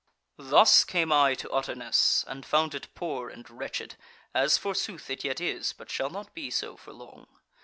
"Thus came I to Utterness, and found it poor and wretched, (as forsooth, it yet is, but shall not be so for long).